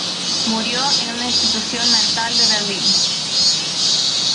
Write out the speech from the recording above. Murió en una institución mental de Berlín.